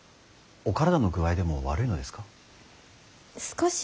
お体の具合でも悪いのですか。